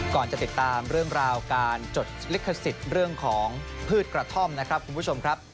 ก่อนจะติดตามเรื่องราวการจดลิขสิทธิ์เรื่องของพืชกระท่อมนะครับคุณผู้ชมครับ